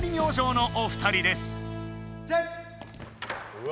うわ！